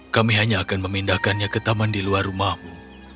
kami hanya akan memindahkannya ke taman di luar rumahmu